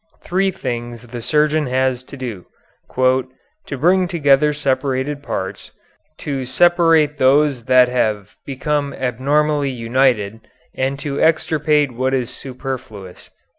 Three things the surgeon has to do: "to bring together separated parts, to separate those that have become abnormally united, and to extirpate what is superfluous."